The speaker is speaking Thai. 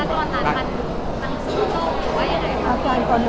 ด้วยสามเที่ยวที่จะต้องเตรียมยาโครงหลัก